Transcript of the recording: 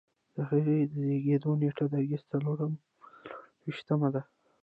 د هغه د زیږیدو نیټه د اګست څلور ویشتمه ده.